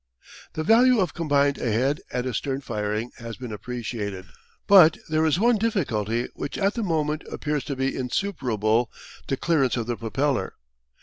The value of combined ahead and astern firing has been appreciated, but there is one difficulty which at the moment appears to be insuperable the clearance of the propeller.